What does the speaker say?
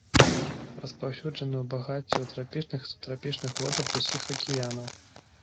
Распаўсюджаны ў багацці ў трапічных і субтрапічных водах усіх акіянаў.